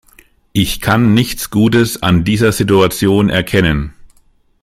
Ich kann nichts Gutes an dieser Situation erkennen.